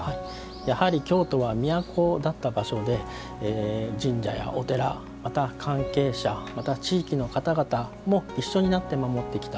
やはり京都は都だった場所で神社やお寺また関係者、地域の方々も一緒になって守ってきた。